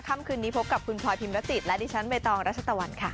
ค่ำคืนนี้พบกับคุณพลอยพิมรจิตและดิฉันใบตองรัชตะวันค่ะ